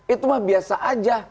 itu mah biasa aja